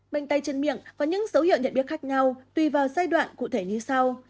bệnh tay chân miệng có những dấu hiệu nhận biết khác nhau tùy vào giai đoạn cụ thể như sau